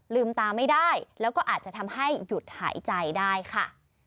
ลืมตาไม่ได้แล้วก็อาจจะทำให้หยุดหายใจได้ค่ะ